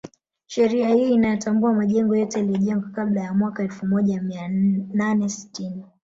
Sheria hii inayatambua majengo yote yaliyojengwa kabla ya mwaka elfu moja Mia nane sitini